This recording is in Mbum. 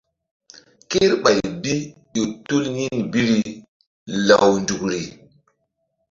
Kerɓay bi ƴo tul yin biri law nzukri.